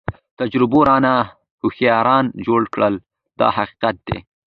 تجربو رانه هوښیاران جوړ کړل دا حقیقت دی.